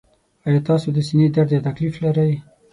ایا تاسو د سینې درد یا تکلیف لرئ؟